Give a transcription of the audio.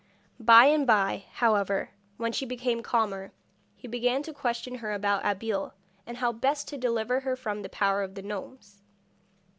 By and by, however, when she became calmer, he began to question her about Abeille, and how best to deliver her from the power of the gnomes.